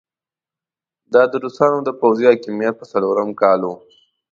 دا د روسانو د پوځي حاکميت په څلورم کال وو.